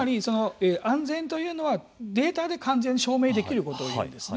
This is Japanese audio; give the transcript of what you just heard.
安全というのはデータで完全に証明できることを言うんですね。